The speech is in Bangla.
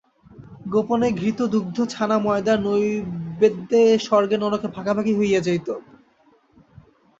গোপনে ঘৃত দুগ্ধ ছানা ময়দার নৈবেদ্য স্বর্গে নরকে ভাগাভাগি হইয়া যাইত।